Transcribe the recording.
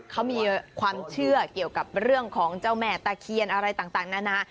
เขามีความเชื่อเกี่ยวกับเรื่องของเจ้าแม่ตะเคียนอะไรต่างนานา